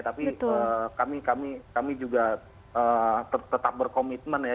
tapi kami juga tetap berkomitmen ya